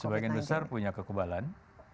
sebagian besar punya kekebalan